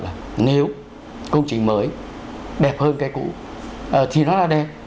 câu kết luận là nếu công trình mới đẹp hơn cái cũ thì nó là đẹp